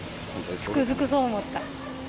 つくづくそう思った。